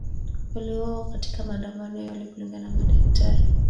waliouawa katika maandamano ya awali kulingana na madaktari